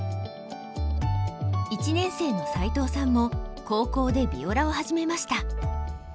１年生の齋藤さんも高校でヴィオラを始めました。